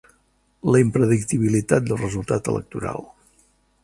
La impredictibilitat del resultat electoral.